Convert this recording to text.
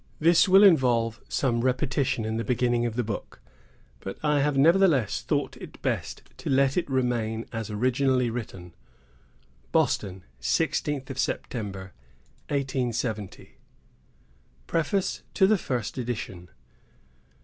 This will involve some repetition in the beginning of the book, but I have nevertheless thought it best to let it remain as originally written. BOSTON, 16 September, 1870. Preface TO THE FIRST EDITION.